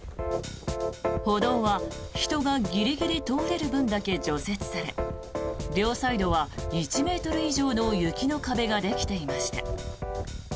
歩道は人がギリギリ通れる分だけ除雪され両サイドは１ｍ以上の雪の壁ができていました。